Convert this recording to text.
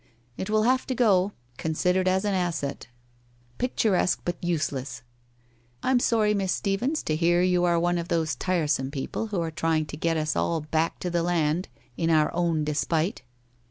It will have to go, considered as an asset. Picturesque but useless. I'm sorry, Miss Stephens, to hear you are one of those tiresome people who are trying to get us all back to the land in our own despite.